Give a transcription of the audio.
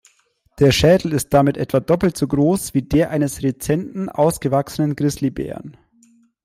Der Schädel ist damit etwa doppelt so groß wie der eines rezenten, ausgewachsenen Grizzlybären.